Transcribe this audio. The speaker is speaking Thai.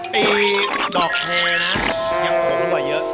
ตีดอกเทนะยังผมกว่าเยอะ